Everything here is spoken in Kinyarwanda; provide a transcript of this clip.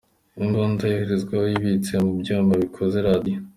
Imbunda yoherezwa ibitse mu byuma bikoze radio.